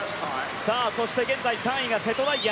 そして、現在３位が瀬戸大也。